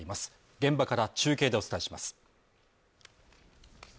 現場から中継でお伝えします。